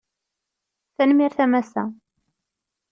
Tanmirt a massa